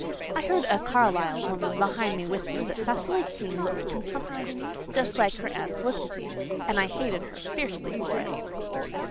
I heard a Carlisle woman behind me whisper that Cecily King looked consumptive, just like her Aunt Felicity; and I hated her fiercely for it.